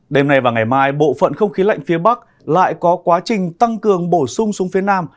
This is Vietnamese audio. đêm nay và ngày mai bộ phận không khí lạnh phía bắc lại có quá trình tăng cường bổ sung xuống phía nam